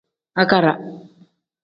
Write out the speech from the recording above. Agaara.